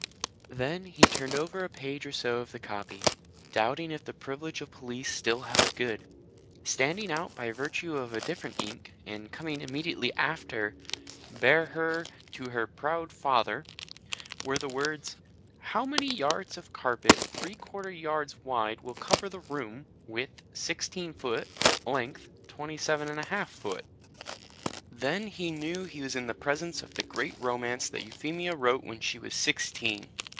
Then he turned over a page or so of the copy, doubting if the privilege of police still held good. Standing out by virtue of a different ink, and coming immediately after "bear her to her proud father," were the words, "How many yards of carpet 3/4 yds. wide will cover room, width 16 ft., length 27 1/2 ft.?" Then he knew he was in the presence of the great romance that Euphemia wrote when she was sixteen.